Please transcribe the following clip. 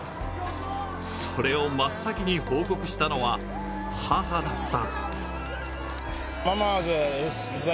それを真っ先に報告したのは母だった。